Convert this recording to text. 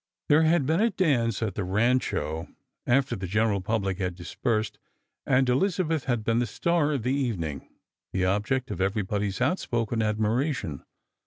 There had been a dance at the Eancho after the general public had dispersed, and Elizabeth had been the star of the evening, the object of everybody's outspoken admiration.